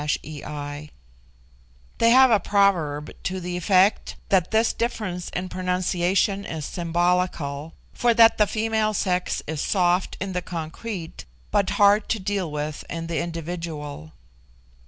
They have a proverb to the effect that this difference in pronunciation is symbolical, for that the female sex is soft in the concrete, but hard to deal with in the individual.